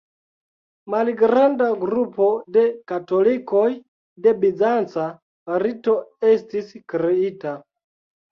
Malgranda grupo de katolikoj de bizanca rito estis kreita.